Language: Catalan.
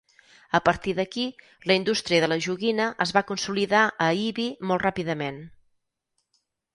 A partir d'aquí, la indústria de la joguina es va consolidar a Ibi molt ràpidament.